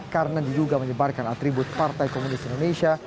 karena juga menyebarkan atribut partai komunis indonesia